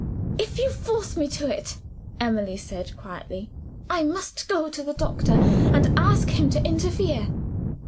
"If you force me to it," Emily said, quietly, "I must go to the doctor, and ask him to interfere."